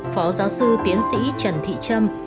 phó giáo sư tiến sĩ trần thị trâm